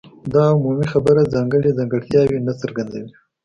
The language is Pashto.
دا عمومي خبره ځانګړي ځانګړتیاوې نه څرګندوي.